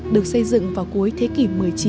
được xây dựng vào cuối thế kỷ một mươi chín